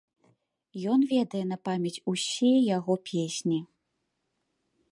Ён ведае на памяць усе яго песні.